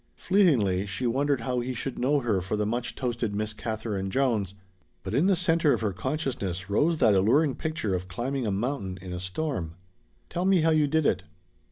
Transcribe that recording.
Fleetingly she wondered how he should know her for the much toasted Miss Katherine Jones, but in the center of her consciousness rose that alluring picture of climbing a mountain in a storm. "Tell me how you did it."